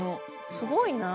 すごいな。